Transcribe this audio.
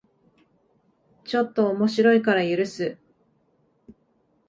ちょっと面白いから許す